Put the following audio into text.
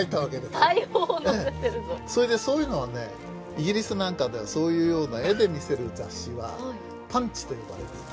それでそういうのはねイギリスなんかではそういうような絵で見せる雑誌は「パンチ」と呼ばれていた。